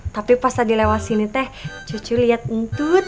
tapi pas tadi lewat sini teh cucu liat untut